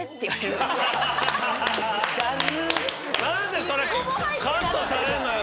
何でそれカットされるのよ。